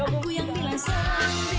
aku yang bilang sendiri